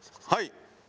はい。